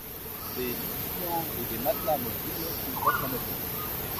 Des lits pliants et des matelas amovibles complètent l'ameublement.